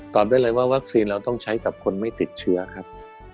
ได้เลยว่าวัคซีนเราต้องใช้กับคนไม่ติดเชื้อครับ